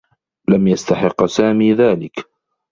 لم يستحقّ سامي ذلك.